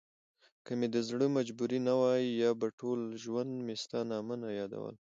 که مې دزړه مجبوري نه وای په ټوله ژوندمي ستا نامه نه يادوله